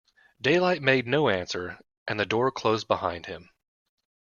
Daylight made no answer, and the door closed behind him.